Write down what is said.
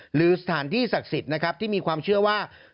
หรือสถานที่ศักดิ์สิทธิ์นะครับที่มีความเชื่อว่า